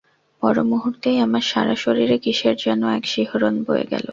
পরমুহুর্তেই আমার সারা শরীরে কিসের যেন এক শিহরণ বয়ে গেল।